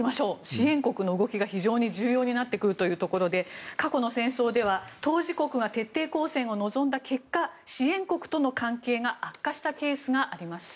支援国の動きが非常に重要になってくるということで過去の戦争では当事国が徹底抗戦を望んだ結果支援国との関係が悪化したケースがあります。